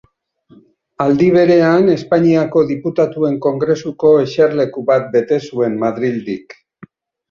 Aldi berean Espainiako Diputatuen Kongresuko eserleku bat bete zuen Madrildik.